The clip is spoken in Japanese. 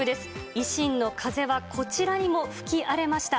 維新の風はこちらにも吹き荒れました。